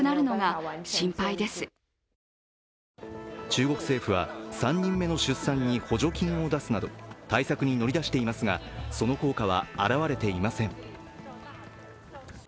中国政府は３人目の出産に補助金を出すなど対策に乗り出していますが、その効果は表れていません。